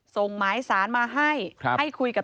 ส่งหมายสารมาให้ให้คุยกับ